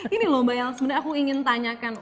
ini loh mbak yang sebenarnya aku ingin tanyakan